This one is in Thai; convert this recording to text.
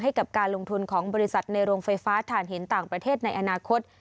กับการลงทุนของบริษัทในโรงไฟฟ้าฐานหินต่างประเทศในอนาคต